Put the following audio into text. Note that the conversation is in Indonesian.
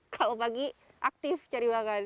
kalau pagi aktif cari makan